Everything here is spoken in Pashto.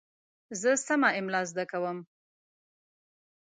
زه سمه املا زده کوم.